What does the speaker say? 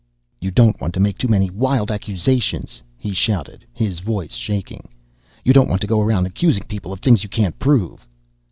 "You don't want to make too many wild accusations," he shouted, his voice shaking. "You don't want to go around accusing people of things you can't prove."